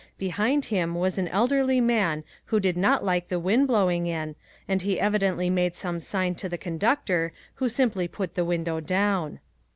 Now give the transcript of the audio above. Behind him was an elderly man who did not like the wind blowing in and he evidently made some sign to the conductor, who simply put the window down.